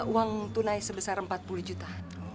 uang tunai sebesar empat puluh juta